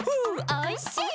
おいしい！